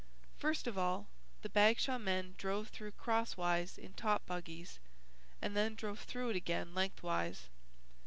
First of all the Bagshaw men drove through crosswise in top buggies and then drove through it again lengthwise.